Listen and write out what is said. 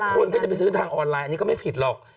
เพราะฉะนั้นคนก็จะไปซื้อทางออนไลน์อันนี้ก็ไม่ผิดหรอก